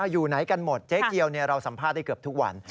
อยู่ไหนกันหมดเจ๊เกียวเราสัมภาษณ์ได้เกือบทุกวัน